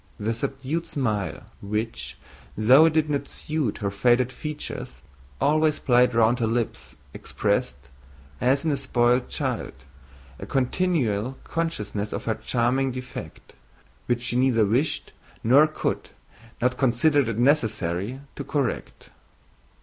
The subdued smile which, though it did not suit her faded features, always played round her lips expressed, as in a spoiled child, a continual consciousness of her charming defect, which she neither wished, nor could, nor considered it necessary, to correct.